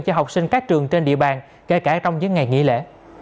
cho học sinh các trường trên địa bàn kể cả trong những ngày nghỉ lễ